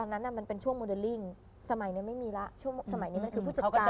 แล้วก็มีตอนนั้นไปเป็นช่วงโมเดมิล์ซ์ลิ่งสมัยนี้ไม่มีละสมัยนี้คือผู้จัดการ